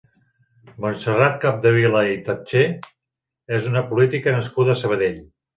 Montserrat Capdevila i Tatché és una política nascuda a Sabadell.